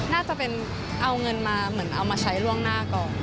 น่าจะเป็นว่าเอาเงินมาเอามาใช้ล่วงหน้าก่อน